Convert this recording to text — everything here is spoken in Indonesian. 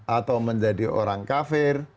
atau menjadi orang kafir